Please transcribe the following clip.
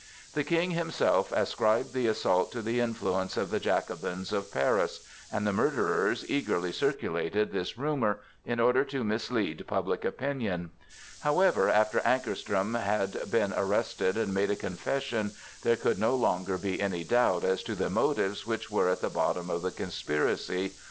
The King himself ascribed the assault to the influence of the Jacobins of Paris, and the murderers eagerly circulated this rumor, in order to mislead public opinion. However, after Ankarström had been arrested and made a confession, there could no longer be any doubt as to the motives which were at the bottom of the conspiracy.